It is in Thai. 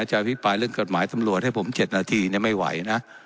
อภิปรายเรื่องกฎหมายตำรวจให้ผม๗นาทีไม่ไหวนะ